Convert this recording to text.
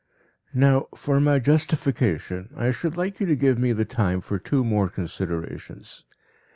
Now, for my justification, I should like you to give me the time for two more considerations.